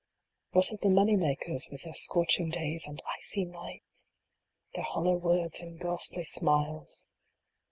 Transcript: What of the money makers, with their scorching days and icy nights ? Their hollow words and ghastly smiles